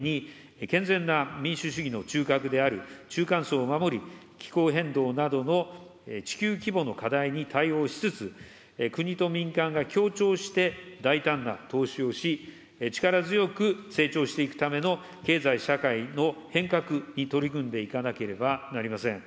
新型コロナによる危機を乗り越えた先に、健全な民主主義の中核である中間層を守り、気候変動などの地球規模の課題に対応しつつ、国と民間が協調して大胆な投資をし、力強く成長していくための経済社会の変革に取り組んでいかなければなりません。